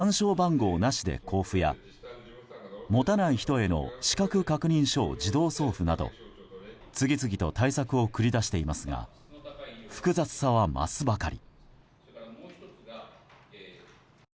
政府はマイナ保険証について暗証番号なしで交付や持たない人への資格確認書を自動送付など次々と対策を繰り出していますが複雑さは増すばかり。